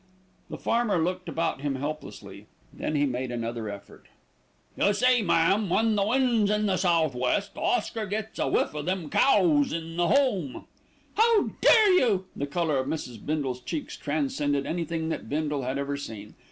The farmer looked about him helplessly. Then he made another effort. "You see, ma'am, when the wind's in the sou'west, Oscar gets a whiff o' them cows in the home " "How dare you!" The colour of Mrs. Bindle's cheeks transcended anything that Bindle had ever seen.